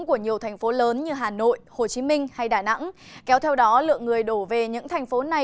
của nhiều thành phố lớn như hà nội hồ chí minh hay đà nẵng kéo theo đó lượng người đổ về những thành phố này